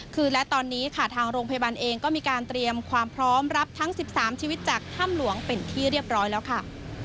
คือและตอนนี้ค่ะทางโรงพยาบาลเองก็มีการเตรียมความพร้อมรับทั้ง๑๓ชีวิตจากถ้ำหลวงเป็นที่เรียบร้อยแล้วค่ะ